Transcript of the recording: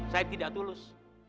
saya tidak tulus